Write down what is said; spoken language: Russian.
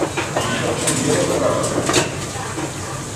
Ещё в чём дело спрашиваешь.